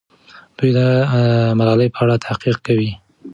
دوی د ملالۍ په اړه تحقیق کوي.